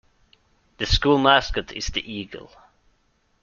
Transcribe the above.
The school mascot is the eagle.